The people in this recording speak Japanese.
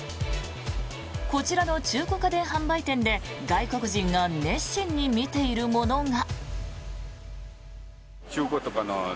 こちらの中古家電販売店で外国人が熱心に見ているものが。